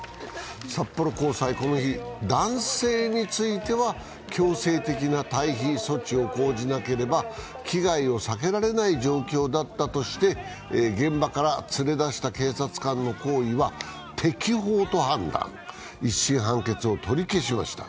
札幌高裁、この日、男性については強制的な退避措置を講じなければ危害を避けられない状況だったとして現場から連れ出した警察官の行為は適法と判断、一審判決を取り消しました。